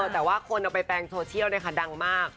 แต่ว่าคนเอาไปแปลงโซเชียลดังมาก